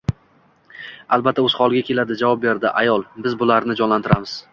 Albatta o`z holiga keladi, javob berdi ayol, biz ularni jonlantiramiz